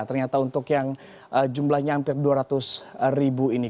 ternyata untuk yang jumlahnya hampir dua ratus ribu ini